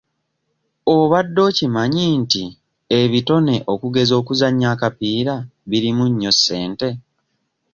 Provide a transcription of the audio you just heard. Obadde okimanyi nti ebitone okugeza okuzannya akapiira birimu nnyo ssente?